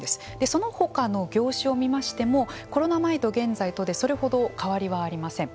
そのほかの業種を見ましてもコロナ前と現在とでそれほど変わりはありません。